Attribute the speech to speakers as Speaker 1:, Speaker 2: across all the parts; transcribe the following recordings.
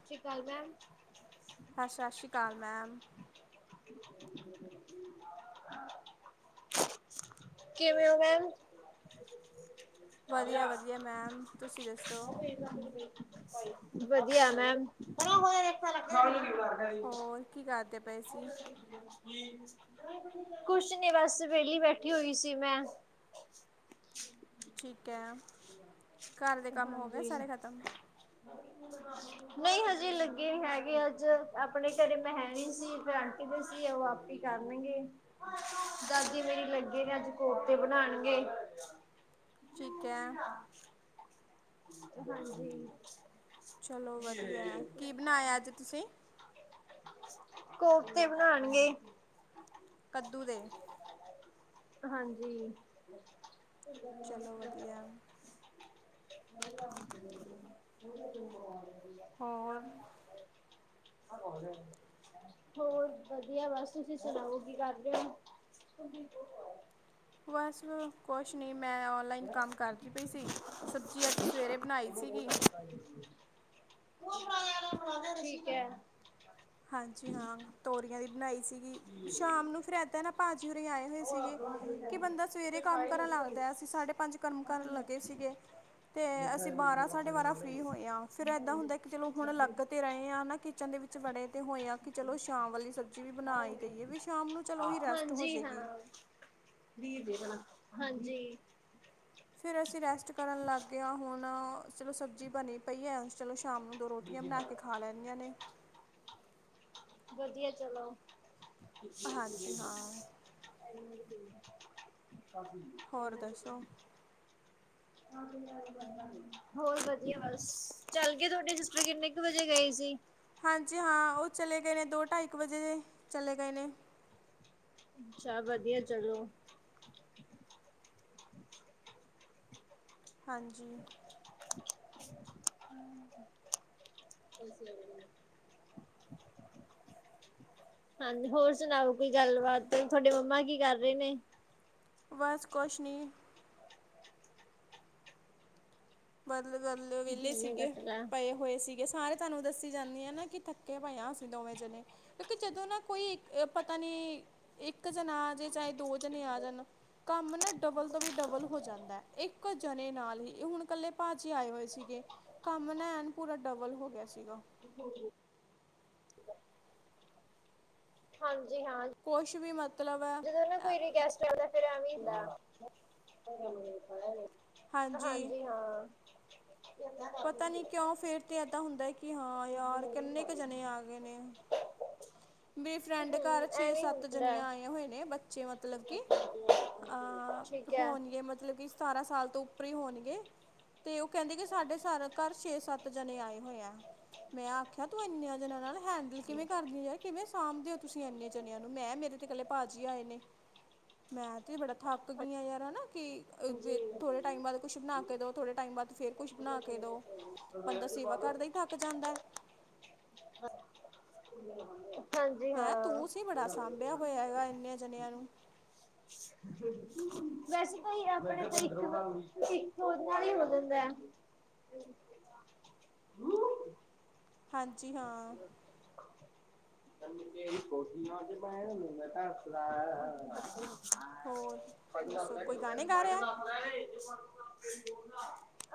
Speaker 1: ਸਤਿ ਸ਼੍ਰੀ ਅਕਾਲ ਮੈਮ
Speaker 2: ਹਾਂ, ਸਤਿ ਸ਼੍ਰੀ ਕਾਲ ਮੈਮ।
Speaker 1: ਕਿਵੇਂ ਓ ਮੈਮ?
Speaker 2: ਵਧੀਆ ਵਧੀਆ ਮੈਮ, ਤੁਸੀਂ ਦੱਸੋ।
Speaker 1: ਵਧ ਧੀਆ ਮੈਮ।
Speaker 2: ਹੋਰ ਕੀ ਕਰਦੇ ਪ ਪਏ ਸੀ।
Speaker 1: ਕੁਛ ਨਹੀਂ ਬਸ, ਵੇਲੀ ਬੈਠੀ ਹੋਈ ਸੀ ਮੈਂ।
Speaker 2: ਠੀਕ ਐ। ਘਰ ਦੇ ਕੰਮ ਹੋ ਗਏ ਸਾਰੇ ਖਤਮ?
Speaker 1: ਨਈ ਹਜੇ ਲੱਗੇ ਨੀ ਹੈਗੇ। ਅੱਜ ਆਪਣੇ ਘਰੇ ਮੈਂ ਹੈਣੀ ਸੀ। ਫਿਰ ਆਂਟੀ ਦੇ ਸੀ, ਉਹ ਆਪੇ ਈ ਕਰਨਗੇ। ਦਾਦੀ ਮੇਰੀ ਲੱਗੇ ਨੇ ਅੱਜ ਕੋਫਤੇ ਬਨਾਣਗੇ।
Speaker 2: ਠੀਕ ਹੈ।
Speaker 1: ਹਾਂਜੀ।
Speaker 2: ਚਲੋ ਵਧੀਆ, ਕੀ ਬਣਾਇਆ ਅੱਜ ਤੁਸੀਂ?
Speaker 1: ਕੋਫਤੇ ਬਣਾਣਗੇ।
Speaker 2: ਕੱਦੂ ਦੇ।
Speaker 1: ਹਾਂਜੀ।
Speaker 2: ਚਲੋ ਵਧੀਆ।
Speaker 1: [unintelligible]
Speaker 2: ਹੋਰ
Speaker 1: [unintelligible] ਹੋਰ ਵਧੀਆ ਬਸ ਤੁਸੀਂ ਸੁਣਾਓ ਕੀ ਕਰ ਰਹੇ ਹੋ?
Speaker 2: ਬਸ ਉਹ ਕੁਛ ਨਹੀਂ, ਮੈਂ ਔਨਲਾਈਨ ਕੰਮ ਕਰਦੀ ਪਈ ਸੀ। ਸਬਜ਼ੀ ਅੱਜ ਸਵੇਰੇ ਬਣਾਈ ਸੀਗੀ।
Speaker 1: ਠੀਕ ਹੈ।
Speaker 2: ਹਾਂਜੀ, ਹਾਂ ਤੋਰੀਆਂ ਦੀ ਬਣਾਈ ਸੀ। ਸ਼ਾਮ ਨੂੰ ਫੇਰ ਇੱਦਾਂ ਏ ਨਾ ਭਾਜੀ ਹੋਰੀ ਸੀਗੇ। ਕਿ ਬੰਦਾ ਸਵੇਰੇ ਕੰਮ ਕਰਨ
Speaker 1: ਹੈ
Speaker 2: ਲੱਗਦਾ ਅਸੀਂ ਸਾਢੇ ਪੰਜ ਕੰਮ ਕਰਨ ਲੱਗੇ ਸੀਗੇ, ਤੇ ਅਸੀਂ ਬਾਰਾਂ ਸਾਢੇ ਬਾਰਾਂ ਫ੍ਰੀ ਹੋਏ ਆਂ। ਫਿਰ ਇਦਾਂ ਹੁੰਦਾ। ਕਿ ਚਲੋ ਹੁਣ ਲੱਗ, ਤੇ ਰਹੇ ਹਾਂ ਨਾ ਕਿਚਨ ਦੇ ਵਿੱਚ ਵੜੇ ਕਿ ਚਲੋ ਸ਼ਾਮ ਵਾਲੀ ਸਬਜ਼ੀ ਵੀ ਬਣਾ ਈ ਦੇਈਏ ਵੀ ਸ਼ਾਮ ਨੂੰ ਚਲੋ ਹੀ ਰੈਸਟ ਹੋ ਜਾਏਗੀ।
Speaker 1: ਵੀਰ ਦੇਖ ਲਾ, ਹਾਂਜੀ।
Speaker 2: ਫਿਰ ਅਸੀਂ ਰੈਸਟ ਕਰਨ ਲੱਗ ਗਏ ਆ ਹੁਣ ਚਲੋ ਸਬਜ਼ੀ ਬਣੀ ਪਈ ਏ। ਚਲੋ ਸ਼ਾਮ ਨੂੰ ਦੋ ਰੋਟੀਆਂ ਬਣਾ ਕੇ ਖਾ ਲੈਣੀਆਂ ਨੇ।
Speaker 1: ਵਧੀਆ ਚਲੋ। [unintelligible] [unintelligible]
Speaker 2: ਹਾਂਜੀ ਹਾਂ
Speaker 1: [unintelligible]
Speaker 2: ਹੋਰ ਦੱਸੋ
Speaker 1: ਹੋਰ ਵਧੀਆ ਬਸ ਚੱਲਗੀ, ਤੁਹਾਡੇ ਸਿਸਟਰ ਕਿੰਨੇ ਕੁ ਵਜੇ ਗਏ ਸੀ।
Speaker 2: ਹਾਂਜੀ, ਹਾਂ ਉਹ ਚਲੇ ਗਏ ਨੇ, ਦੋ ਢਾਈ ਇੱਕ ਵਜੇ ਚਲੇ ਗਏ ਨੇ।
Speaker 1: ਅੱਛਾ ਵਧੀਆ ਚਲੋ।
Speaker 2: ਹਾਂਜੀ
Speaker 1: ਹਾਂਜੀ, ਹੋਰ ਸੁਣਾਓ ਕੋਈ ਗੱਲਬਾਤ ਤੁਹਾਡੇ ਮੰਮਾ ਕੀ ਕਰ ਰਹੇ ਨੇ।
Speaker 2: ਬਸ ਕੁਛ ਨਹੀਂ। ਬਸ ਗੱਲ ਵਿਹਲੇ
Speaker 1: ਝੋਨੇ
Speaker 2: ਸੀਗੇ
Speaker 1: ਕੱਟ ਲਾ।
Speaker 2: ਪਏ ਹੋਏ ਸੀਗੇ। ਹਾਂ 'ਤੇ ਤੁਹਾਨੂੰ ਦੱਸੀ ਜਾਂਦੀ ਆ ਨਾ, ਕਿ ਥੱਕੇ ਪਏ ਹਾਂ। ਅਸੀਂ ਦੋਵੇਂ ਜਣੇ, ਕਿਉਂਕਿ ਜਦੋਂ ਨਾ ਕੋਈ ਪਤਾ ਨੀ ਇੱਕ ਜਣਾ ਆ ਜੇ ਚਾਹੇ ਦੋ ਜਣੇ ਆ ਜਾਣ, ਕੰਮ ਨਾ ਡਬਲ ਤੋਂ ਵੀ ਡਬਲ ਹੋ ਜਾਂਦਾ। ਇੱਕ ਜਣੇ ਨਾਲ ਹੀ ਹੁਣ ਇਕੱਲੇ ਭਾਜੀ ਆਏ ਹੋਏ ਸੀਗੇ, ਕੰਮ ਨਾ ਐਣ ਪੂਰਾ ਡਬਲ ਹੋ ਗਿਆ ਸੀ।
Speaker 1: [unintelligible] ਹਾਂਜੀ। ਹਾਂ
Speaker 2: ਕੁਛ ਵੀ ਮਤਲਬ ਹੈ
Speaker 1: ਜਦੋਂ ਨਾ ਕੋਈ ਰਿਕੁਐਸਟ ਕਰਦਾ ਫਿਰ ਐਵੀ ਹੁੰਦਾ ਹੈ। [unintelligible] ਹਾਂਜੀ ਹਾਂ। [inaudible]
Speaker 2: ਪਤਾ ਨੀ ਕਿਉਂ ਫੇਰ ਤੇ ਏਦਾਂ ਹੁੰਦਾ ਕਿ ਹਾਂ ਯਾਰ ਕਿੰਨੇ ਕੁ ਜਣੇ ਆ ਗਏ ਨੇ। ਮੇਰੀ ਫਰੈਂਡ ਘਰ
Speaker 1: ਹੂੰ
Speaker 2: ਛੇ
Speaker 1: ਐਵੇਂ
Speaker 2: ਸੱਤ
Speaker 1: ਹੁੰਦਾ
Speaker 2: ਜਣੀਆਂ ਆਈਆਂ ਹੋਈਆਂ। ਇਹ ਬੱਚੇ ਮਤਲਬ ਕਿ ਅਹ
Speaker 1: ਠੀਕ ਹੈ
Speaker 2: ਹੋਣਗੇ ਮਤਲਬ ਕਿ ਸਤਾਰਾਂ ਸਾਲ ਤੋਂ ਫਰੀ ਹੋਣਗੇ ਤੇ ਉਹ ਕਹਿੰਦੇ ਕਿ ਸਾਡੇ ਸ ਘਰ ਛੇ ਸੱਤ ਜਾਣੇ ਆਏ ਹੋਏ ਆ ਮੈਂ ਆਖਿਆ ਤੂੰ ਇਨੀਆਂ ਜਣਾਇਆ ਨਾਲ। ਹੈਂਡਲ ਜਿਵੇਂ ਕਰਦੀ ਹੈ? ਸਾਂਭਦੀ ਉਹ। ਤੁਸੀਂ ਇੰਨੇ ਜਣਿਆਂ ਨੂੰ ਮੈਂ ਮੇਰੇ ਤੇ ਇਕੱਲੇ ਭਾਜੀ ਆਏ ਨੇ ਮੈਂ ਤੇ ਬੜਾ ਥੱਕ ਗਈਆਂ ਯਾਰ। ਕਿ
Speaker 1: ਹਾਂਜੀ
Speaker 2: ਥੋੜੇ ਟਾਈਮ ਬਾਅਦ ਕੁੱਛ ਬਣਾ ਕੇ ਦੋ ਥੋੜੇ ਟਾਈਮ ਬਾਅਦ? ਫਿਰ ਕੁਛ ਬਣਾ ਕੇ ਦੋ ਬੰਦਾ ਸੇਵਾ ਕਰਦਾ ਹੀ ਥੱਕ ਜਾਂਦਾ ਹੈ?
Speaker 1: ਹੈ ਢਿੱਲਾ ਬੰਨ ਲਿਆ ਹੈ। ਹਾਂਜੀ
Speaker 2: ਮੈਂ
Speaker 1: ਹਾਂ।
Speaker 2: ਤੂੰ ਸੀ ਬੜਾ ਸਾਂਭਿਆ ਹੋਇਆ ਹੈਗਾ ਇੰਨੇ ਜਣਿਆਂ ਨੂੰ
Speaker 1: ਵੈਸੇ ਤਾਂ ਜੀ ਆਪਣੇ ਇੱਕ ਉਹਦੇ ਨਾਲ ਹੀ ਹੋ ਜਾਂਦਾ ਹੈ ਹੂੰ।
Speaker 2: ਹਾਂਜੀ ਹਾਂ।
Speaker 1: [unintelligible] ਹੈਲੋ।
Speaker 2: ਹੋਰ ਦੱਸੋ ਕੋਈ ਗਾਣੇ ਗਾ ਰਿਹਾ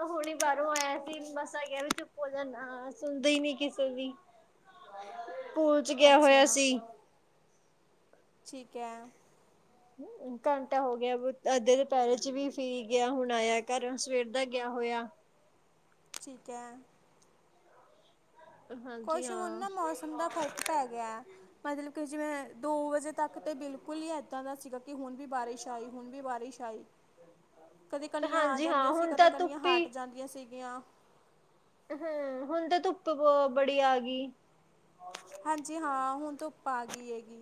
Speaker 1: ਹੁਣੇ ਬਾਹਰੋਂ ਆਇਆ ਸੀ ਮੱਸਾ ਕਿਹਾ ਚੁੱਪ ਹੋ ਜਾਂ ਸੁਣਦੇ ਹੀ ਨੀ ਕਿਸੇ। ਕਿਸੇ ਦੀ। ਸਕੂਲ ਚ ਗਿਆ ਹੋਇਆ
Speaker 2: ਅੱਛਾ
Speaker 1: ਸੀ?
Speaker 2: ਠੀਕ ਹੈ।
Speaker 1: ਘੰਟਾ ਹੋ ਗਿਆ ਅੱਧੇ ਦੁਪਹਿਰੇ ਚ ਵੀ ਫੇਰੀ ਗਿਆ ਹੁਣ ਆਇਆ ਘਰ ਸਵੇਰ ਦਾ ਗਿਆ ਹੋਇਆ?
Speaker 2: ਠੀਕ ਹੈ।
Speaker 1: ਹਾਂਜੀ
Speaker 2: ਕੁਛ ਹੁਣ
Speaker 1: ਹਾਂ
Speaker 2: ਨਾ ਮੌਸਮ ਦਾ ਫ਼ਰਕ ਪੈ ਗਿਆ ਮਤਲਬ ਕਿ? ਜਿਵੇਂ। ਦੋ ਵਜੇ ਤੱਕ ਤੇ ਬਿਲਕੁਲ ਹੀ ਇੱਦਾਂ ਦਾ ਸੀਗਾ ਕਿ ਹੁਣ ਵੀ ਬਾਰਿਸ਼ ਆਈ ਹੁਣ ਵੀ ਬਾਰਿਸ਼ ਆਈ ਕਦੇ ਕਣੀਆਂ ਆ
Speaker 1: ਹਾਂਜੀ ਹਾਂ
Speaker 2: ਜਾਂਦੀਆਂ ਸੀ
Speaker 1: ਹੁਣ
Speaker 2: ਕਦੇ
Speaker 1: ਤਾਂ
Speaker 2: ਕਣੀਆਂ
Speaker 1: ਧੁੱਪੀ
Speaker 2: ਹਟ ਜਾਂਦੀਆਂ ਸੀ? ਦੀਆਂ।
Speaker 1: ਹੂੰ ਹੁਣ ਤਾਂ ਧੁੱਪ ਬੜੀ ਆ ਗਈ।
Speaker 2: ਹੂੰ।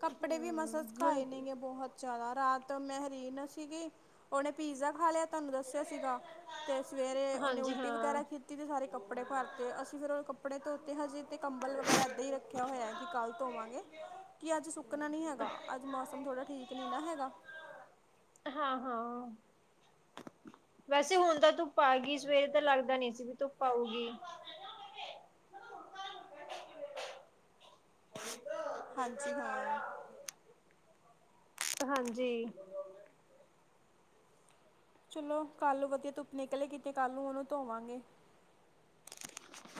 Speaker 2: ਕੱਪੜੇ ਵੀ ਮਸਾਂ
Speaker 1: ਹੂੰ ਹੁਣ
Speaker 2: ਸਕਾਏ ਨੇ ਗੇ ਬਹੁਤ। ਚਲਾ ਰਾਤ ਮੇਹਿਰੀਨ ਸੀਗੀ ਉਹਨੇ ਪੀਜ਼ਾ ਖਾ ਲਿਆ ਤੁਹਾਨੂੰ ਦੱਸਿਆ ਸੀਗਾ ਤੇ ਸਵੇਰੇ ਉਹਨੇ
Speaker 1: ਹਾਂਜੀ
Speaker 2: ਉਲਟੀ
Speaker 1: ਹਾਂ
Speaker 2: ਵਗੈਰਾ ਕੀਤੀ ਤੇ ਸਾਰੇ ਕੱਪੜੇ ਭਰਤੇ ਅਸੀਂ ਫਿਰ ਉਹ ਕੱਪੜੇ ਧੋਤੇ ਹਜੇ ਤੇ ਕੰਬਲ ਵਗੈਰਾ ਏਦਾਂ ਹੀ ਰੱਖਿਆ ਹੋਇਆ ਹੈ ਕਿ ਕੱਲ ਧੋਵਾਂਗੇ। ਅੱਜ ਸੁੱਕਣਾ ਨੀ ਹੈਗਾ। ਅੱਜ ਮੌਸਮ ਥੋੜਾ ਠੀਕ ਨੀ ਨਾ ਹੈਗਾ।
Speaker 1: ਹਾਂ ਹਾਂ। ਵੈਸੇ ਹੁਣ ਤਾਂ ਧੁੱਪ ਆ ਗਈ ਸਵੇਰੇ ਤਾਂ ਲੱਗਦਾ ਨੀ ਸੀ ਵੀ ਧੁੱਪ ਆਉਗੀ।
Speaker 2: ਹਾਂਜੀ ਹਾਂ।
Speaker 1: ਹਾਂਜੀ।
Speaker 2: ਚਲੋ ਕੱਲ ਵਧੀਆ ਧੁੱਪ ਨਿਕਲੇਗੀ ਤੇ ਕੱਲ ਨੂੰ ਉਹਨੂੰ ਧੋਵਾਂਗੇ।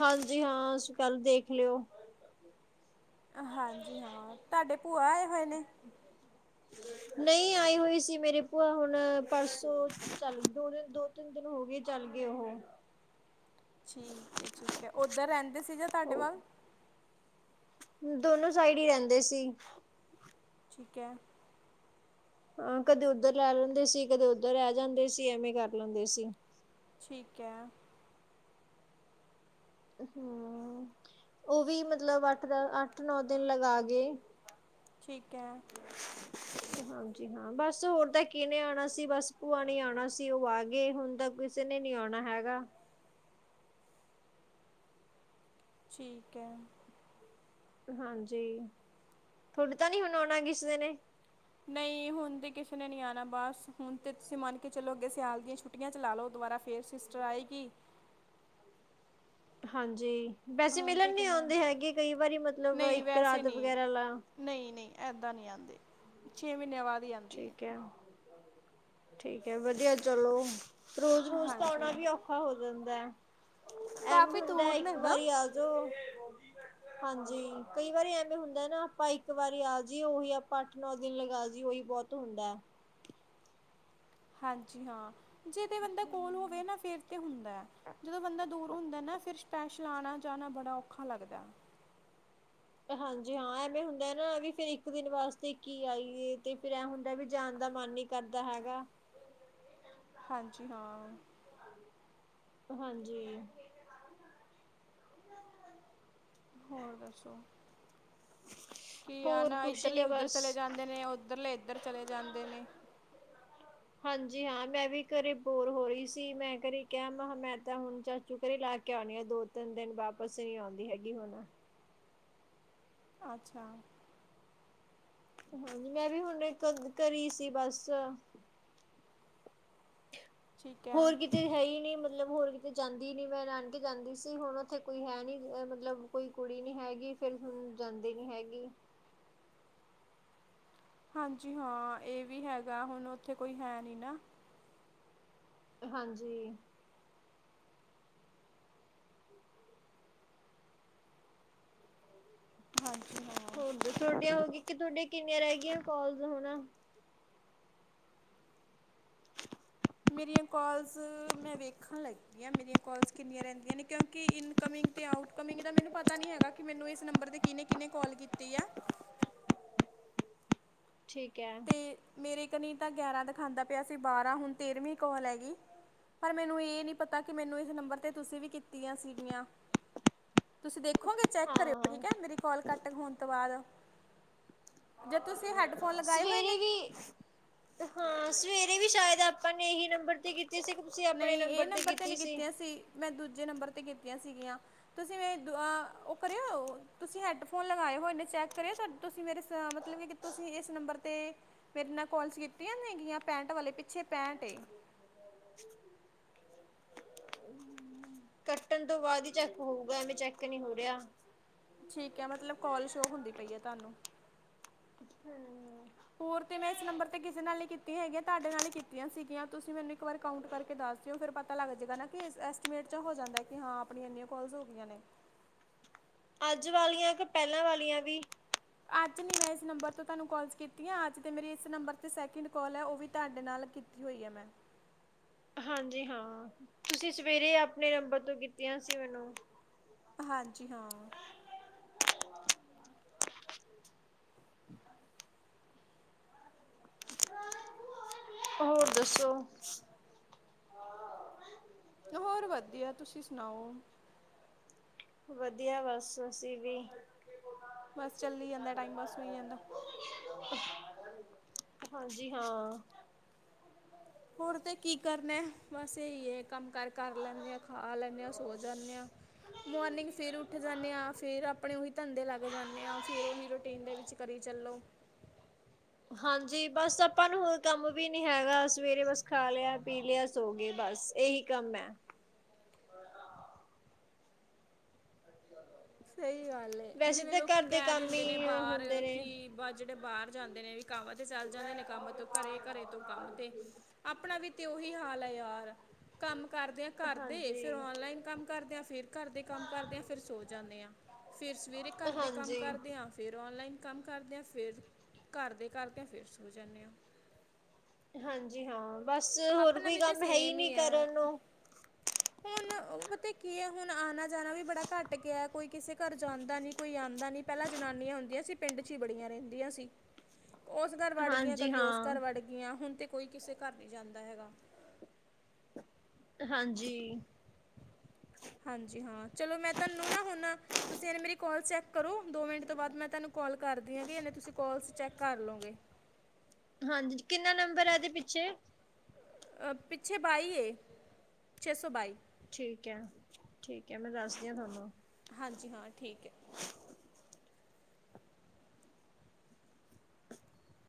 Speaker 1: ਹਾਂਜੀ ਹਾਂ ਸੀ ਕੱਲ ਦੇਖ ਲਿਓ।
Speaker 2: ਹਾਂਜੀ ਹਾਂ। ਤੁਹਾਡੇ ਭੂਆ ਆ? ਹੋਏ ਨੀ।
Speaker 1: ਨਹੀਂ ਆਈ ਹੋਈ ਸੀ ਮੇਰੀ ਭੂਆ ਹੁਣ ਪਰਸੋਂ ਚੱਲ ਦੋ ਦਿਨ ਦੋ ਤਿੰਨ ਦਿਨ ਹੋ ਗਏ ਚੱਲ ਗਏ ਉਹ।
Speaker 2: ਠੀਕ ਹੈ ਠੀਕ ਹੈ ਔਦਰ ਰਹਿੰਦੇ ਸੀ ਜਾਂ ਤੁਹਾਡੇ ਵੱਲ?
Speaker 1: ਉਹ ਦੋਨੋ ਸਾਈਡ ਹੀ ਰਹਿੰਦੇ ਸੀ।
Speaker 2: ਠੀਕ ਹੈ।
Speaker 1: ਹਾਂ ਕਦੇ ਉੱਧਰ ਰਹਿ ਲੈਂਦੇ ਸੀ ਕਦੇ ਉੱਧਰ ਰਹਿ ਜਾਂਦੇ ਸੀ ਐਵੇਂ ਕਰ ਲੈਂਦੇ ਸੀ।
Speaker 2: ਠੀਕ ਹੈ।
Speaker 1: ਹਮ ਉਹ ਵੀ ਮਤਲਬ ਅੱਠ ਦਾ ਅੱਠ ਨੌ ਦਿਨ ਲਗਾ ਗਏ।
Speaker 2: ਠੀਕ ਹੈ।
Speaker 1: ਹਾਂਜੀ ਹਾਂ ਬਸ ਹੋਰ ਤਾਂ ਕਿਹਨੇ ਆਉਣਾ ਸੀ ਬਸ ਭੂਆ ਨੇ ਆਉਣਾ ਸੀ ਉਹ ਆ ਗਏ ਹੁਣ ਤਾਂ ਕਿਸੇ ਨੇ ਨੀ ਆਉਣਾ ਹੈਗਾ।
Speaker 2: ਠੀਕ ਹੈ।
Speaker 1: ਹਾਂਜੀ ਤੁਹਾਡੇ ਤਾਂ ਨਹੀਂ ਹੁਣ ਆਉਣਾ ਕਿਸੇ ਨੇ?
Speaker 2: ਨਹੀਂ ਹੁਣ ਤੇ ਕਿਸੇ ਨੇ ਨਹੀਂ ਆਉਣਾ ਬਸ ਹੁਣ ਤੇ ਤੁਸੀਂ ਮੰਨ ਕੇ ਚਲੋ ਅੱਗੇ ਸਿਆਲ ਦੀਆਂ ਛੁੱਟੀਆਂ ਚ ਲਾ ਲੋਓ ਦੁਬਾਰਾ। ਫਿਰ ਸਿਸਟਰ ਆਏਗੀ?
Speaker 1: ਹਾਂਜੀ। ਵੈਸੇ
Speaker 2: ਹੁਣ ਤਾਂ
Speaker 1: ਮਿਲਣ ਨੀ
Speaker 2: ਕਿੰਨੇ
Speaker 1: ਆਉਂਦੇ ਹੈਗੇ ਕਈ ਵਾਰੀ ਮਤਲਬ
Speaker 2: ਨਹੀਂ
Speaker 1: ਇੱਕ
Speaker 2: ਵੈਸੇ
Speaker 1: ਰਾਤ
Speaker 2: ਨਹੀਂ
Speaker 1: ਵਗੈਰਾ ਲਾ
Speaker 2: ਨਹੀਂ ਨਹੀਂ ਇੱਦਾਂ ਨਹੀਂ ਆਉਂਦੇ ਛੇ ਮਹੀਨਿਆਂ ਬਾਅਦ? ਹੀ ਆਉਂਦੀ
Speaker 1: ਠੀਕ ਹੈ। ਠੀਕ ਹੈ ਵਧੀਆ ਚਲੋ ਰੋਜ਼ ਰੋਜ਼ ਤਾਂ ਆਉਣਾ
Speaker 2: ਹਾਂਜੀ
Speaker 1: ਵੀ ਔਖਾ ਹੋ ਜਾਂਦਾ। ਦਾ [unintelligible] ਐਮ
Speaker 2: ਕਾਫੀ
Speaker 1: ਹੁੰਦਾ
Speaker 2: ਦੂਰ ਨੇ
Speaker 1: ਇੱਕ
Speaker 2: ਨਾ
Speaker 1: ਵਾਰੀ ਆ ਜੋਓ ਹਾਂਜੀ ਕਈ ਵਾਰੀ ਐਵੇਂ ਹੁੰਦਾ ਨਾ ਆਪਾਂ ਇੱਕ ਵਾਰੀ ਆ ਜੀਏ ਉਹੀ ਆਪਾਂ ਅੱਠ ਨੌ ਦਿਨ ਲਗਾ ਜੀਏ ਉਹੀ ਬਹੁਤ ਹੁੰਦਾ।
Speaker 2: ਹਾਂਜੀ ਹਾਂ। ਜੇ ਤੇ ਬੰਦਾ ਕੋਲ ਹੋਵੇ ਨਾ ਫੇਰ ਤੇ ਹੁੰਦੈ ਜਦੋਂ ਬੰਦਾ ਦੂਰ ਹੁੰਦੈ ਨਾ ਫਿਰ ਸਪੈਸ਼ ਲਾਣਾ ਜਾਣਾ ਬੜਾ ਔਖਾ ਲੱਗਦਾ।
Speaker 1: ਹਾਂਜੀ ਹਾਂ ਐਵੇਂ ਹੁੰਦਾ ਨਾ ਵੀ ਫਿਰ ਇੱਕ ਦਿਨ ਵਾਸਤੇ ਕੀ ਆਈਏ ਤੇ ਫਿਰ ਇਹ ਹੁੰਦਾ ਵੀ ਜਾਣ ਦਾ ਮਨ ਨੀ ਕਰਦਾ ਹੈਗਾ।
Speaker 2: ਹਾਂਜੀ ਹਾਂ
Speaker 1: ਹਾਂਜੀ
Speaker 2: ਹੋਰ ਦੱਸੋ ਕੀ ਆ
Speaker 1: ਹੋਰ
Speaker 2: ਨਾ
Speaker 1: ਕੁਛ
Speaker 2: ਇਧਰਲੇ
Speaker 1: ਨੀ
Speaker 2: ਉਧਰ ਚਲੇ
Speaker 1: ਬਸ
Speaker 2: ਜਾਂਦੇ ਨੇ ਓਧਰਲੇ ਇਧਰ ਚਲੇ ਜਾਂਦੇ ਨੇ
Speaker 1: ਜੀ ਹਾਂ ਮੈਂ ਵੀ ਘਰੇ ਬੋਰ ਹੋ ਰਹੀ ਸੀ ਮੈਂ ਘਰੇ ਕਿਹਾ ਮੈ ਮੈਂ ਤਾਂ ਹੁਣ ਚਾਚੂ ਘਰੇ ਲਾ ਕੇ ਆਉਣੀ ਆ ਦੋ ਤਿੰਨ ਦਿਨ ਵਾਪਿਸ ਨਹੀਂਆਉਂਦੀ ਹੈਗੀ ਹੁਣ
Speaker 2: ਅੱਛਾ
Speaker 1: ਹਾਂਜੀ ਮੈਂ ਵੀ ਹੁਣ ਇੱਕ ਕਰੀ ਸੀ ਬਸ
Speaker 2: ਠੀਕ ਹੈ
Speaker 1: ਹੋਰ ਕਿਤੇ ਹੈ ਹੀ ਨਹੀਂ ਮਤਲਬ ਮਤਲਬ ਹੋਰ ਕਿਤੇ ਜਾਂਦੀ ਨੀ ਮੈਂ ਨਾਨਕੇ ਜਾਂਦੀ ਸੀ ਹੁਣ ਉੱਥੇ ਕੋਈ ਹੈ ਨੀ ਮਤਲਬ ਕੋਈ ਕੁੜੀ ਨੀ ਹੈਗੀ ਫਿਰ ਹੁਣ ਜਾਂਦੀ ਨੀ ਹੈਗੀ
Speaker 2: ਹਾਂਜੀ ਹਾਂ ਇਹ ਵੀ ਹੈਗਾ ਹੁਣ ਉੱਥੇ ਕੋਈ ਹੈ ਨੀ ਨਾ
Speaker 1: ਹਾਂਜੀ
Speaker 2: ਹਾਂਜੀ ਹਾਂ
Speaker 1: ਹੋਰ ਤੁਹਾਡੀਆਂ ਹੋਗੀ ਕਿ ਤੁਹਾਡੇ ਕਿੰਨੀਆਂ ਰਹਿ ਗਈਆਂ ਕੋਲਸ ਹੋਣਾ
Speaker 2: ਮੇਰੀਆਂ ਕਾਲਸ ਮੈਂ ਵੇਖਣ ਲੱਗੀ ਆ ਮੇਰੀਆਂ ਕਾਲਸ ਕਿੰਨੀਆਂ ਰਹਿੰਦੀਆਂ ਨੇ ਕਿਉਂਕਿ ਇਨਕਮਿੰਗ ਤੇ ਆਊਟਕਮਿੰਗ ਦਾ ਮੈਨੂੰ ਪਤਾ ਨੀ ਹੈਗਾ ਕਿ ਮੈਨੂੰ ਇਸ ਨੰਬਰ ਤੇ ਕਿਨੇ ਕਿਨੇ ਕਾਲ ਕੀਤੀ ਆ
Speaker 1: ਠੀਕ ਹੈ
Speaker 2: ਤੇ ਮੇਰੇ ਕਨੀ ਤਾਂ ਗਿਆਰਾਂ ਦਿਖਾਉਦਾ ਪਿਆ ਸੀ ਬਾਰਾਂ ਹੁਣ ਤੇਰਵੀਂ ਕੋਲ ਹੈਗੀ ਪਰ ਮੈਨੂੰ ਇਹ ਨੀ ਪਤਾ ਕਿ ਮੈਨੂੰ ਇਸ ਨੰਬਰ ਤੇ ਤੁਸੀਂ ਵੀ ਕੀਤੀਆਂ ਸੀਗੀਆਂ ਤੁਸੀਂ ਦੇਖੋਗੇ ਚੈੱਕ ਕਰਿਓ
Speaker 1: ਹਾਂ
Speaker 2: ਠੀਕ ਹੈ ਮੇਰੀ ਕੋਾਲ ਕੱਟ ਹੋਣ ਤੋਂ ਬਾਅਦ ਜੇ ਤੁਸੀਂ ਹੈਡਫੋਨ ਲਗਾ
Speaker 1: ਸਵੇਰੇ ਵੀ ਹਾਂ ਸਵੇਰੇ ਵੀ ਸ਼ਾਇਦ ਆਪਾਂ ਨੇ ਇਹੀ ਨੰਬਰ ਤੇ ਕੀਤਾ
Speaker 2: ਨਹੀਂ ਇਹ ਨੰਬਰ ਤੇ ਨੀ ਕੀਤੀਆਂ ਸੀ ਮੈਂ ਦੂਜੇ ਨੰਬਰ ਤੇ ਕੀਤੀਆਂ ਸੀਗੀਆਂ ਤੁਸੀਂ ਉਹ ਕਰਿਓ ਤੁਸੀਂ ਹੈਡਫੋਨ ਲਗਾਏ ਹੋਨੇ ਚੈੱਕ ਕਰਿਓ ਤੁਸੀਂ ਮੇਰੇ ਮਤਲਬ ਤੁਸੀਂ ਇਸ ਨੰਬਰ ਤੇ ਮੇਰੇ ਨਾਲ ਕੋਲਸ ਕੀਤੀਆਂ ਨੇਗੀਆਂ ਪੈਂਟ ਵਾਲੇ ਪਿੱਛੇ ਪੈਟਏ
Speaker 1: ਕੱਟਣ ਤੋਂ ਬਾਅਦ ਹੀ ਚੈੱਕ ਹੋਊਗਾ ਐਵੇਂ ਚੈੱਕ ਨਹੀ ਹੋ ਰਿਹਾ
Speaker 2: ਠੀਕ ਹੈ ਮਤਲਬ ਕੋਲ ਸ਼ੋਅ ਹੁੰਦੀ ਪਈ ਹੈ ਤੁਹਾਨੂੰ
Speaker 1: ਹਮ,
Speaker 2: ਹੋਰ ਤੇ ਮੈਂ ਇਸ ਨੰਬਰ ਤੇ ਕਿਸੇ ਨਾਲ ਹੀ ਕੀਤੀਆਂ ਹੈਗੀਆਂ ਤੁਹਾਡੇ ਨਾਲ ਹੀ ਕੀਤੀਆਂ ਸੀਗੀਆਂ ਤੁਸੀਂ ਮੈਨੂੰ ਇੱਕ ਵਾਰ ਕਾਊਂਟ ਕਰਕੇ ਦੱਸ ਦਿਓ ਫਿਰ ਪਤਾ ਲੱਗ ਜਾਏਗਾ ਨਾ ਕਿ ਇਸ ਐਸਟੀਮੇਟ ਚ ਹੋ ਜਾਂਦਾ ਕਿ ਹਾਂ ਆਪਣੀਆਂ ਇੰਨੀਆਂ ਕੋਲਸ ਹੋ ਗਈਆਂ ਨੇ
Speaker 1: ਅੱਜ ਵਾਲੀਆਂ ਕਿ ਪਹਿਲਾਂ ਵਾਲੀਆਂ ਵੀ
Speaker 2: ਅੱਜ ਨਹੀਂ ਮੈਂ ਇਸ ਨੰਬਰ ਤੋਂ ਤੁਹਾਨੂੰ ਕੋਲਸ ਕੀਤੀ ਹਾਂ ਅੱਜ ਤਾਂ ਮੇਰੇ ਇਸ ਨੰਬਰ 'ਤੇ ਸੈਕਿੰਡ ਕੋਲ ਹੈ ਉਹ ਵੀ ਤੁਹਾਡੇ ਨਾਲ ਕੀਤੀ ਹੋਈ ਹੈ ਮੈਂ
Speaker 1: ਹਾਂਜੀ ਹਾਂ ਤੁਸੀਂ ਸਵੇਰੇ ਆਪਣੇ ਨੰਬਰ ਤੋਂ ਕੀਤੀਆਂ ਸੀ ਮੈਨੂੰ
Speaker 2: ਹਾਂਜੀ ਹਾਂ।
Speaker 1: ਹੋਰ ਦੱਸੋ
Speaker 2: ਹੋਰ ਵਧੀਆ ਤੁਸੀਂ ਸੁਣਾਓ
Speaker 1: ਵਧੀਆ ਬਸ ਅਸੀਂ ਵੀ
Speaker 2: ਬਸ ਚੱਲੀ ਜਾਂਦਾ ਟਾਈਮ ਪਾਸ ਹੋਈ ਜਾਂਦਾ
Speaker 1: ਹਾਂਜੀ ਹਾਂ।
Speaker 2: ਹੋਰ ਤੇ ਕੀ ਕਰਨਾ ਬਸ ਇਹੀ ਹੈ ਕੰਮ ਕਾਰ ਕਰ ਲੈਂਦੇ ਆ ਖਾ ਲੈਂਦੇ ਹਾਂ ਸੋ ਜਾਂਦੇ ਹਾਂ ਮੋਰਨਿੰਗ ਫੇਿਰ ਉੱਠ ਜਾਂਦੇ ਆਾਂ ਫਿਰ ਆਪਣੇ ਉਹੀ ਧੰਦੇ ਲੱਗ ਜਾਂਦੇ ਆਾਂ ਫਿਰ ਓਹੀ ਰੂਟੀਨ ਦੇ ਵਿੱਚ ਕਰੀ ਚੱਲੋ
Speaker 1: ਹਾਂਜੀ ਬਸ ਆਪਾਂ ਨੂੰ ਹੋਰ ਕੰਮ ਵੀ ਨੀ ਹੈਗਾ ਸਵੇਰੇ ਬਸ ਖਾ ਲਿਆ ਪੀ ਲਿਆ ਸੋਗੇ ਬਸ ਇਹੀ ਕੰਮ ਹੈ
Speaker 2: ਸਹੀ ਗੱਲ ਹੈ
Speaker 1: ਵੈਸੇ
Speaker 2: ਜਿਵੇਂ
Speaker 1: ਤਾਂ
Speaker 2: ਲੋਕੀ
Speaker 1: ਘਰ ਦੇ
Speaker 2: ਕਹਿ
Speaker 1: ਕੰਮ
Speaker 2: ਦਿੰਦੇ ਨੇ
Speaker 1: ਹੀ
Speaker 2: ਬਾਹਰ
Speaker 1: ਹੁੰਦੇ ਨੇ
Speaker 2: ਕਿ ਬਜ ਜਿਹੜੇ ਬਾਹਰ ਜਾਂਦੇ ਨੇ ਵੀ ਕੰਮ ਤੇ ਚਲ ਜਾਂਦੇ ਨੇ ਕੰਮ ਤੋਂ ਘਰੇ-ਘਰੇ ਤੋਂ ਕੰਮ ਤੇ ਆਪਣਾ ਵੀ ਤੇ ਉਹੀ ਹਾਲ ਹੈ ਯਾਰ ਕਮ ਘਰਦੇ-ਘਰਦੇ ਫੇਰ
Speaker 1: ਹਾਂਜੀ।
Speaker 2: ਔਨਲਾਈਨ ਕਮ ਕਰਦੇ ਆਂ ਫੇਰ ਘਰਦੇ ਕਮ ਕਰਦੇ ਆਂ ਫਿਰ ਸੋਜਾਨੇ ਜਾਂਦੇ ਹਾਂ ਫਿਰ ਸਵੇਰੇ ਘਰ ਦੇ ਕੰਮ
Speaker 1: ਹਾਂਜੀ,
Speaker 2: ਕਰਦੇ ਹਾਂ ਫਿਰ ਔਨਲਾਈਨ ਕੰਮ ਕਰਦੇਿਆਂ ਫਿਰ ਘਰ ਦੇ ਕਰਦਿਆਂ ਫਿਰ ਸੋ ਜਾਂਦੇ ਹਾ
Speaker 1: ਹਾਂਜੀ ਹਾਂ ਬਸ ਹੋਰ
Speaker 2: ਆਪਣਾ
Speaker 1: ਕੋਈ
Speaker 2: ਵੀ ਤੇ
Speaker 1: ਕੰਮ ਹੈ
Speaker 2: ਸੇਮ
Speaker 1: ਨਹੀਂ
Speaker 2: ਹੀ ਆ
Speaker 1: ਕਰਨ ਨੂੰ।
Speaker 2: ਹੁਣ ਉਹ ਪਤਾ ਕੀ ਆ ਹੁਣ ਆਉਣਾ ਜਾਣਾ ਵੀ ਬੜਾ ਘੱਟ ਗਿਆ ਕੋਈ ਕਿਸੇ ਘਰ ਜਾਂਦਾ ਨੀ ਕੋਈ ਆਉਂਦਾ ਨੀ ਪਹਿਲਾਂ ਜਨਾਨੀਆਂ ਹੁੰਦੀਆਂ ਸੀ ਪਿੰਡ ਚ ਹੀ ਬੜੀਆਂ ਰਹਿੰਦੀਆਂ ਸੀ ਉਸ ਘਰ ਵੜ ਗਈਆਂ
Speaker 1: ਹਾਂਜੀ
Speaker 2: ਕਦੀ ਉਸ
Speaker 1: ਹਾਂ,
Speaker 2: ਘਰ ਵੜ ਗਈਆਂ ਹੁਣ ਤੇ ਕੋਈ ਕਿਸੇ ਘਰ ਨਹੀਂ ਜਾਂਦਾ ਹੈਗਾ
Speaker 1: ਹਾਂਜੀ
Speaker 2: ਹਾਂਜੀ ਹਾਂ ਚਲੋ ਮੈਂ ਤੁਹਾਨੂੰ ਨਾ ਹਣਾ ਤੁਸੀਂ ਮੇਰੀ ਕੌਲ ਚੈਕ ਕਰੋ ਦੋ ਮਿੰਟ ਤੋਂ ਬਾਅਦ ਮੈਂ ਤੁਹਾਨੂੰ ਕਾਲ ਕਰਦੀ ਆਂਗੀ ਇਨੇ ਤੁਸੀਂ ਕੌਲਸ ਚੈੱਕ ਕਰ ਲਓਗੇ।
Speaker 1: ਦੇ ਪਿੱਛੇ
Speaker 2: ਪਿੱਛੇ ਬਾਈ ਏ ਛੇ ਸੌ ਬਾਈ।
Speaker 1: ਠੀਕ ਹੈ-ਠੀਕ ਹੈ ਮੈਂ ਦੱਸਦੀ ਹਾਂ ਥੋਨੂੰ।
Speaker 2: ਹਾਂਜੀ ਹਾਂ, ਠੀਕ ਹੈ